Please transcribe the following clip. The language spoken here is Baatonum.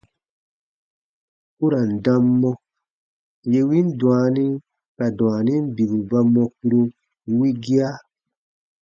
U ra n dam mɔ : yè win dwaani ka dwaanin bibu ba mɔ kpuro wigia.